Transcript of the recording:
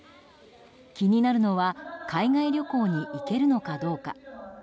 気になるのは海外旅行に行けるのかどうか。